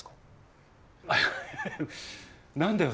何だよ？